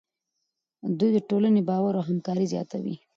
دوی د ټولنې باور او همکاري زیاتوي.